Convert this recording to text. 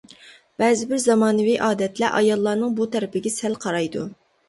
بەزى بىر زامانىۋى ئادەتلەر ئاياللارنىڭ بۇ تەرىپىگە سەل قارايدۇ.